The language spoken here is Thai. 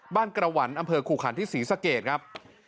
กระหวันอำเภอขู่ขันที่ศรีสะเกดครับ